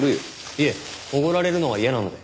いえおごられるのは嫌なので。